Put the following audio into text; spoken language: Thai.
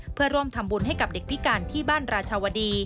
เพื่อร่วมทำบุญให้กับเด็กพิการที่บ้านราชาวดี